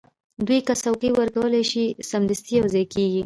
دوی که څوکۍ ورکړل شي، سمدستي یو ځای کېږي.